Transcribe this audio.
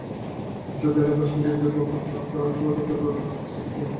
সূত্র জানায়, পেশাজীবীদের পক্ষ থেকে আলোচনা এবং সমঝোতার ওপর গুরুত্বারোপ করা হয়েছে।